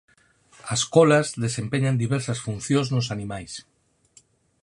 As colas desempeñan diversas funcións nos animais.